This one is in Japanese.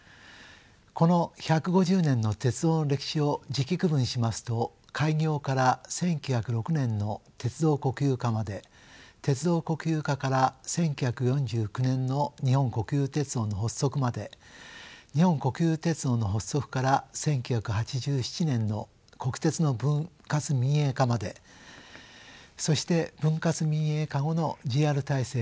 この１５０年の鉄道の歴史を時期区分しますと開業から１９０６年の鉄道国有化まで鉄道国有化から１９４９年の日本国有鉄道の発足まで日本国有鉄道の発足から１９８７年の国鉄の分割民営化までそして分割民営化後のＪＲ体制の４期に分けることができます。